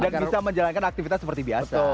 dan bisa menjalankan aktivitas seperti biasa